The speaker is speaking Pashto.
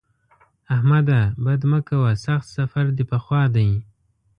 احمده! بد مه کوه؛ سخت سفر دې په خوا دی.